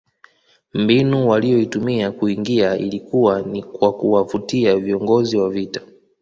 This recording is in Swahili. Mbinu waliyoitumia kuingia ilikuwa ni kwa kuwavutia viongozi wa vita